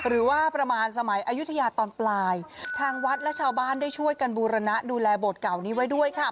หรือว่าประมาณสมัยอายุทยาตอนปลายทางวัดและชาวบ้านได้ช่วยกันบูรณะดูแลโบสถเก่านี้ไว้ด้วยค่ะ